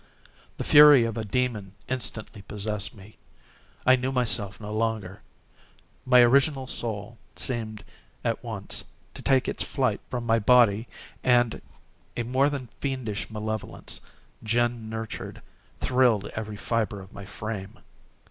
The fury of a demon instantly possessed me. I knew myself no longer. My original soul seemed, at once, to take its flight from my body and a more than fiendish malevolence, gin nurtured, thrilled every fibre of my frame.